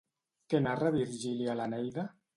Què narra Virgili a l'Eneida?